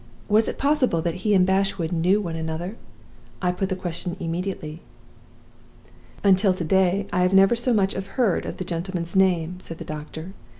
Was it possible that he and Bashwood knew one another? I put the question immediately. "'Until to day I never so much as heard of the gentleman's name,' said the doctor.